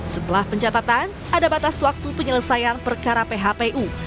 setelah pencatatan ada batas waktu penyelesaian perkara phpu